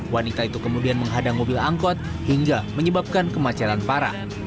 wanita itu kemudian menghadang mobil angkot hingga menyebabkan kemacetan parah